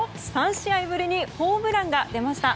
３試合ぶりにホームランが出ました。